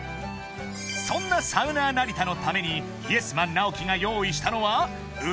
［そんなサウナー成田のためにイエスマン直樹が用意したのは］